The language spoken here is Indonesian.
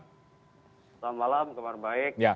selamat malam kabar baik